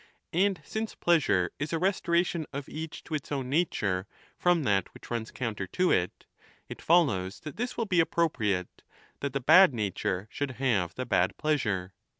and since pleasure is a restoration of each to its own nature from that which runs counter to it, it follows that this will be appropriate, that the bad nature should have the bad pleasure.